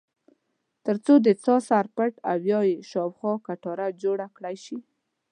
ترڅو د څاه سر پټ او یا یې خواوشا کټاره جوړه کړای شي.